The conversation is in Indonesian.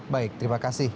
baik terima kasih